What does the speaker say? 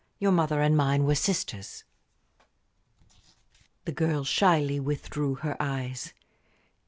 Your mother and mine were sisters." The girl shyly withdrew her eyes.